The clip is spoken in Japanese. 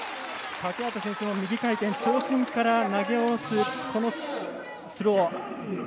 欠端選手の右回転長身から投げるこのスロー。